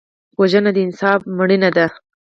وژنه د انصاف مړینه ده